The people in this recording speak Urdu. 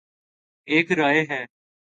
ایک رائے ہے۔